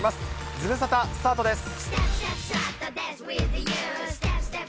ズムサタ、スタートです。